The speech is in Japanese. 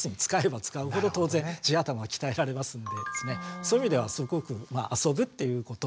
そういう意味ではすごく遊ぶっていうことをですね